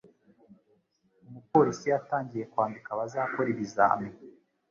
Umupolisi yatangiye kwandika abazakora ibizami,